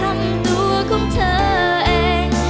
ได้เท่ากับเธอทำตัวของเธอเอง